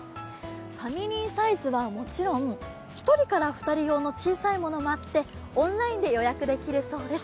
ファミリーサイズはもちろん、１２人用の小さいものもあって、オンラインで予約できるそうです。